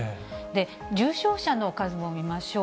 重症者の数も見ましょう。